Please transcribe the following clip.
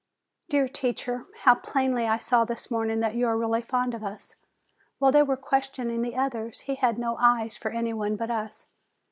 Dear teacher! how plainly I saw this morning that you are really fond of us! While they were question ing the others, he had no eyes for any one but us.